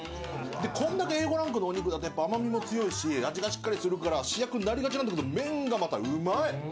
こんだけＡ５ランクのお肉だけあって甘みも強いし味がしっかりするから主役なりがちなんだけど麺がまたうまい！